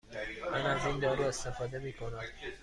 من از این دارو استفاده می کنم.